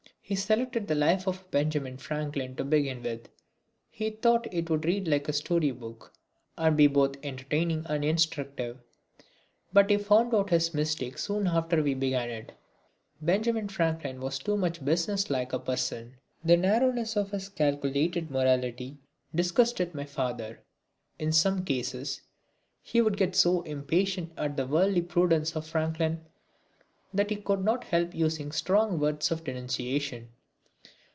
He selected the life of Benjamin Franklin to begin with. He thought it would read like a story book and be both entertaining and instructive. But he found out his mistake soon after we began it. Benjamin Franklin was much too business like a person. The narrowness of his calculated morality disgusted my father. In some cases he would get so impatient at the worldly prudence of Franklin that he could not help using strong words of denunciation.